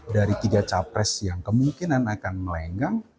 dari tiga capres yang kemungkinan akan melenggang